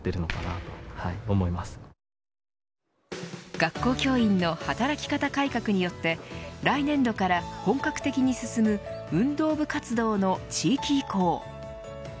学校教員の働き方改革によって来年度から本格的に進む運動部活動の地域移行。